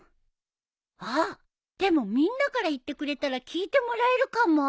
あっでもみんなから言ってくれたら聞いてもらえるかも？